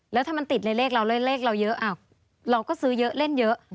แล้วถ้ามันติดในเลขเราเล่นเลขเราเยอะเราก็ซื้อเยอะเล่นเยอะ